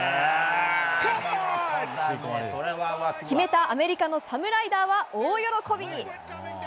決めた、アメリカのサム・ライダーは大喜び！